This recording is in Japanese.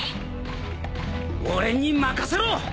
俺に任せろ！